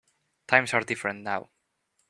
Times are different now.